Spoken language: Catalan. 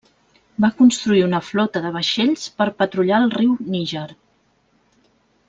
Va construir una flota de vaixells per patrullar el riu Níger.